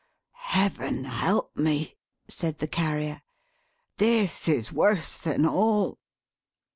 "Heaven help me!" said the Carrier. "This is worse than all."